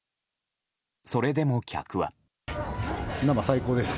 それでも客は。